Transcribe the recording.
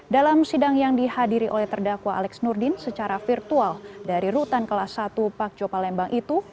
dalam sidang yang dihadiri oleh terdakwa alex nurdin secara virtual dari rutan kelas satu pak jopalembang itu